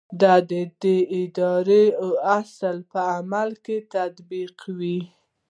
دا د ادارې اصول په عمل کې تطبیقوي.